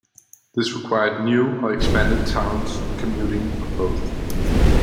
This required new or expanded towns, commuting, or both.